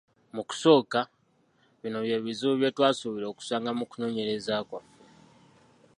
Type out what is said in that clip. "Mu kusooka, bino bye bizibu bye twasuubira okusanga mu kunoonyereza kwaffe."